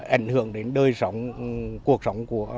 ảnh hưởng đến đời sống cuộc sống